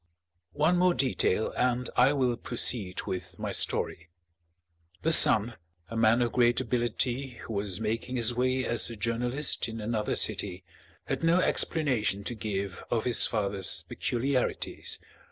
One more detail and I will proceed with my story. The son, a man of great ability who was making his way as a journalist in another city, had no explanation to give of his father's peculiarities.